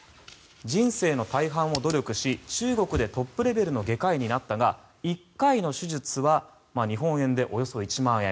人生の大半を努力し中国でトップレベルの外科医になったが１回の手術は日本円でおよそ１万円。